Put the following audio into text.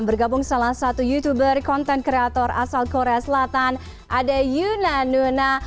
bergabung salah satu youtuber konten kreator asal korea selatan ada yuna nuna